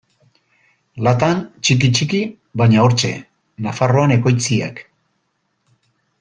Latan, txiki-txiki, baina hortxe: Nafarroan ekoitziak.